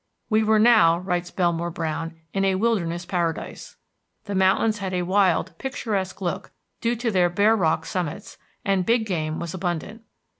"We were now," writes Belmore Browne, "in a wilderness paradise. The mountains had a wild, picturesque look, due to their bare rock summits, and big game was abundant.